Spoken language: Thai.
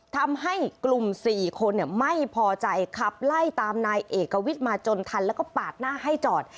ทำให้กลุ่ม๔คนไม่พอใจขับไล่ตามนายเอกวิทย์มาจนทันแล้วก็ปาดหน้าให้จอด